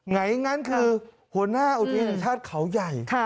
ไงงั้นคือหัวหน้าอุทยานแห่งชาติเขาใหญ่